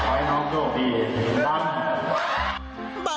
ไว้น้องตกดีดีดำ